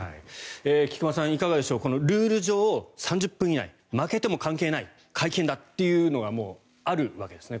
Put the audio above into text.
菊間さん、いかがでしょうルール上、３０分以内負けても関係ない会見だというのがもう、あるわけですね。